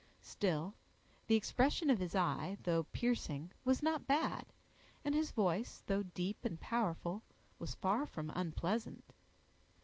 Still, the expression of his eye, though piercing, was not bad, and his voice, though deep and powerful, was far from unpleasant.